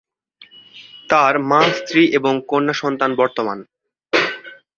তাঁর মা, স্ত্রী এবং কন্যা সন্তান বর্তমান।